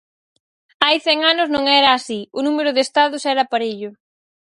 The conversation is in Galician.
Hai cen anos non era así, o número de estados era parello.